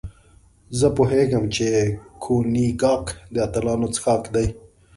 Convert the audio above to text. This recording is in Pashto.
زه پوهېږم چې کونیګاک د اتلانو څښاک دی.